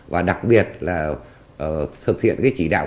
và đặc biệt là thực hiện chỉ đạo